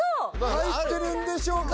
入ってるんでしょうか？